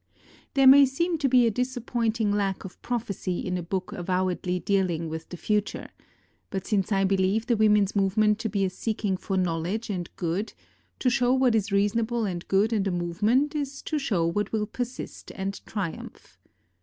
There may seem to be a disappointing lack of prophesy in a book avowedly dealing with the future; but since I believe the women's movement to be a seeking for knowledge and good, to show what is reasonable and good in the movement is to show what will persist and triumph.